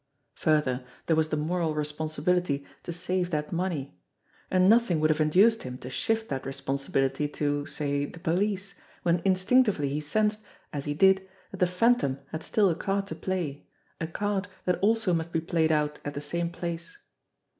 Further, there was the moral responsibility to save that money, and nothing would have induced him to shift that responsibility to, say, the police, when instinctively he sensed, as he did, that the Phantom had still a card to play, a card that also must be played out at the same place.